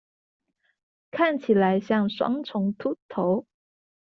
看起來像雙重禿頭